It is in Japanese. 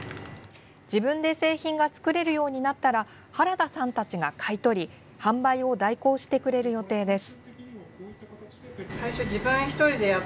自分で製品が作れるようになったら原田さんたちが買い取り販売を代行してくれる予定です。